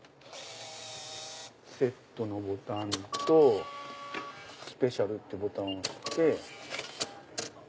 セットのボタンとスペシャルってボタンを押して。